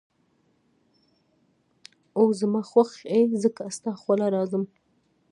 او زما خوښ ئې ځکه ستا خواله راځم ـ